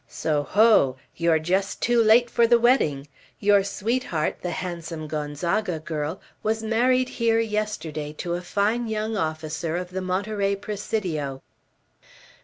"So, ho! You're just too late for the wedding! Your sweetheart, the handsome Gonzaga girl, was married here, yesterday, to a fine young officer of the Monterey Presidio!"